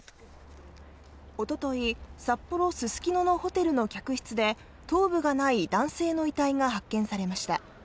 おととい、札幌ススキノのホテルの客室で頭部がない男性の遺体が発見されました。